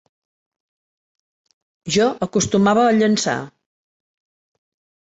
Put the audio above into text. Jo acostumava a llançar.